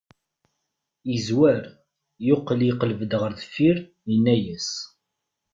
Yezwar, yeqqel iqleb-d ɣer deffir, yenna-yas.